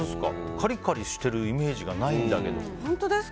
カリカリしてるイメージがないんですけど。